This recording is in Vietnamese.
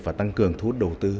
và tăng cường thu hút đầu tư